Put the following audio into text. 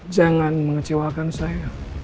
jangan mengecewakan saya